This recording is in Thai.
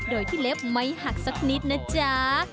โดยที่เล็บไม่หักสักนิดนะจ๊ะ